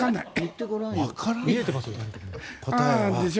見えてますよ。